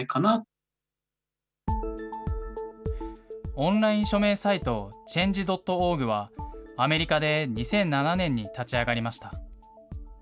オンライン署名サイト、Ｃｈａｎｇｅ．ｏｒｇは、アメリカで２００７年に立ち上がりました。